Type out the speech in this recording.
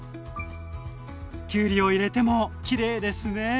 きゅうりを入れてもきれいですね！